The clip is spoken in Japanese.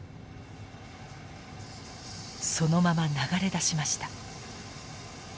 そのまま流れ出しました。